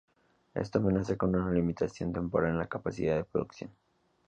Esto amenaza con una limitación temporal en la capacidad de producción.